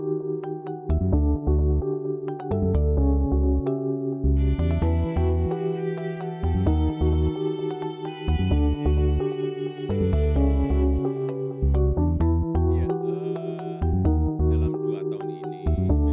di sekitar gundul yang kita pelembar kemudian juga di jalan baru gundulnya sendiri